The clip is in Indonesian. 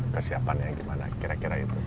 kesiapannya gimana kira kira itu